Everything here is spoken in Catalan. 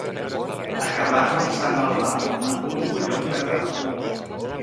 Acabar com sant Albà, amb un colló en cada mà.